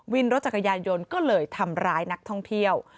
วินรถจักรยานยนต์ก็เลยทำร้ายนักท่องเที่ยว